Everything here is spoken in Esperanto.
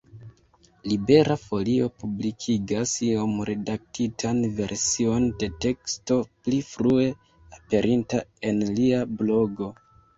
Libera Folio publikigas iom redaktitan version de teksto pli frue aperinta en lia blogo.